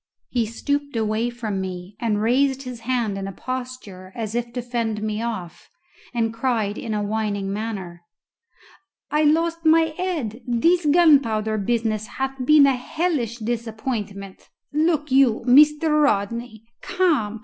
He stooped away from me, and raised his hand in a posture as if to fend me off, and cried in a whining manner, "I lost my head this gunpowder business hath been a hellish disappointment, look you, Mr. Rodney. Come!